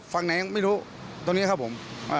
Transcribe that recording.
เขาหนีเลยครับผม